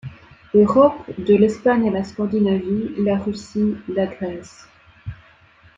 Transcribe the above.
Europe, de l'Espagne à la Scandinavie, la Russie, la Grèce.